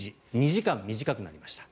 ２時間短くなりました。